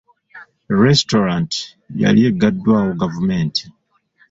Restaurant yali eggaddwawo gavumenti.